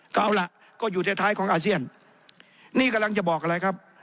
ก็เอาล่ะก็อยู่ในท้ายของอาเซียนนี่กำลังจะบอกอะไรครับ